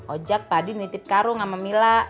ojak tadi nitip karung sama mila